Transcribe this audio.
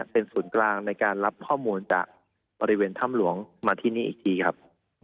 เป็นศูนย์กลางในการรับข้อมูลจากบริเวณถ้ำหลวงมาที่นี่อีกทีครับ